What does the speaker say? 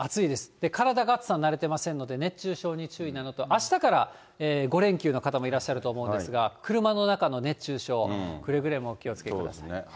体が暑さに慣れてませんので、熱中症に注意なのと、あしたから５連休の方もいらっしゃると思うんですが、車の中の熱中症、くれぐれもお気をつけください。